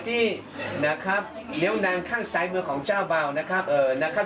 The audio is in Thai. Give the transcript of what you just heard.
เรี่ยวนั้นข้างไสมือของเจ้าเบานะครับ